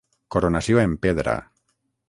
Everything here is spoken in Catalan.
Coronació en pedra.